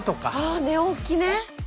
あ寝起きね。